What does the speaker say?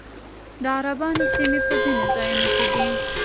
د عربانو سیمې په ځینو ځایونو کې دي